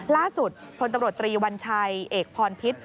ล่าสุดท่วนตำรวจตรีวัณไชเอกภอนพิทธิ์